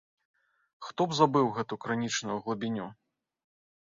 Хто б забыў гэту крынічную глыбіню?!